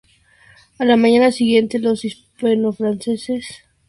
A la mañana siguiente, los hispano-franceses habían desaparecido.